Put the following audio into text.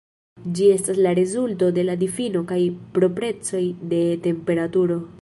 Ĝi estas la rezulto de la difino kaj proprecoj de temperaturo.